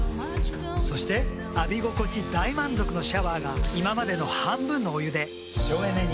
そして浴び心地大満足のシャワーが今までの半分のお湯で省エネに。